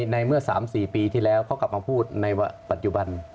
ในเมื่อ๓๔ปีที่แล้วเขากลับมาพูดในปัจจุบัน